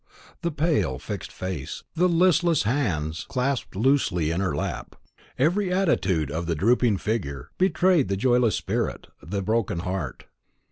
The pale fixed face, the listless hands clasped loosely in her lap, every attitude of the drooping figure, betrayed the joyless spirit, the broken heart.